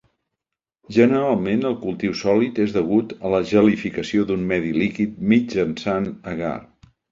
Generalment el cultiu sòlid és degut a la gelificació d'un medi líquid mitjançant agar.